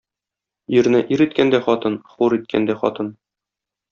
Ирне ир иткән дә хатын, хур иткән дә хатын.